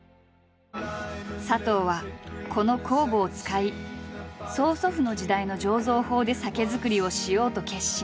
佐藤はこの酵母を使い曽祖父の時代の醸造法で酒造りをしようと決心。